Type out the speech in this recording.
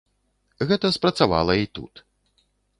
Гэта спрацавала і тут.